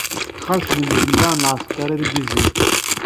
Ɣas d lemḥella n lɛesker ara iyi-d-izzin.